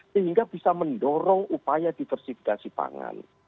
sehingga bisa mendorong upaya diversifikasi pangan